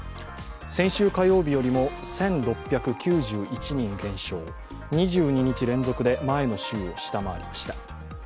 先週火曜日よりも１６９１人減少２２日連続で前の週を下回りました。